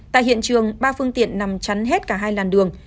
tại hiện trường ba phương tiện nằm chắn hết cả hai làn đường